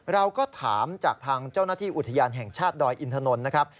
เราก็ถามจากทางเจ้าหน้าที่อุทยานแห่งชาติดอยอินทนนท์นะครับ